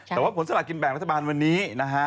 แต่ว่าผลสละกินแบ่งรัฐบาลวันนี้นะฮะ